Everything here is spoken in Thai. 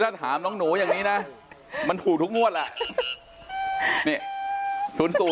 ถ้าถามน้องหนูอย่างนี้นะมันถูกทุกงวดแหละ